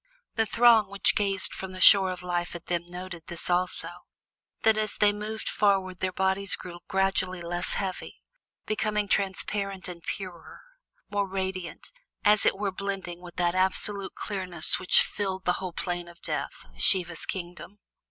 The throng which gazed from the shore of Life at them noted this also: that as they moved forward their bodies grew gradually less heavy, becoming transparent and purer, more radiant, and as it were blending with that absolute clearness which filled the whole Plain of Death, Siva's kingdom.